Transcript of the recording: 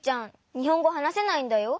にほんごはなせないんだよ。